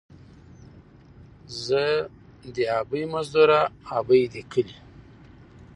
ـ زه دې ابۍ مزدوره ، ابۍ دې کلي.